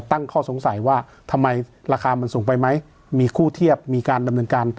ตั้งข้อสงสัยว่าทำไมราคามันสูงไปไหมมีคู่เทียบมีการดำเนินการ